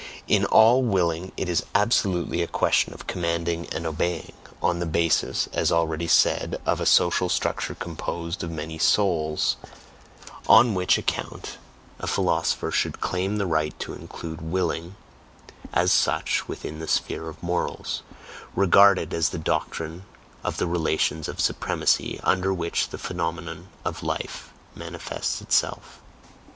In all willing it is absolutely a question of commanding and obeying, on the basis, as already said, of a social structure composed of many "souls", on which account a philosopher should claim the right to include willing as such within the sphere of morals regarded as the doctrine of the relations of supremacy under which the phenomenon of "life" manifests itself.